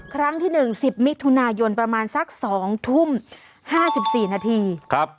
ครั้งที่หนึ่งสิบมิถุนายนประมาณสักสองทุ่มห้าสิบสี่นาทีครับ